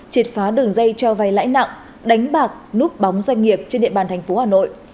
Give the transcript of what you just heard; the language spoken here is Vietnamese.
triệt phá đường dây cho vay lãi nặng đánh bạc núp bóng doanh nghiệp trên địa bàn thành phố hà nội